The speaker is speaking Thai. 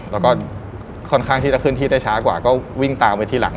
แล้วก็ค่อนข้างที่จะเคลื่อนที่ได้ช้ากว่าก็วิ่งตามไปทีหลัง